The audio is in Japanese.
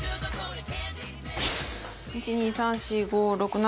１２３４５６７。